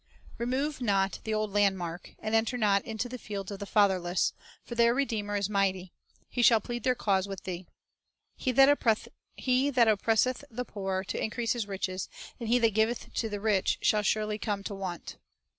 6 "Remove not the old landmark; and enter not into the fields of the fatherless; for their Redeemer is mighty; He shall plead their cause with thee." "He that oppresseth the poor to increase his riches, and he that giveth to the rich, shall surely come to want."